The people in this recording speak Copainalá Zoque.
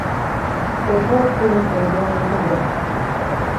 Teʼ kuʼtkuʼyäjte ŋgämidubä.